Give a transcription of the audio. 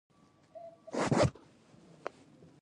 کاري مسلک کیسه کوي، داسې ښکاري چې دا حالت بدلوي.